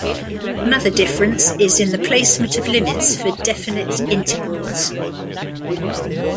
Another difference is in the placement of limits for definite integrals.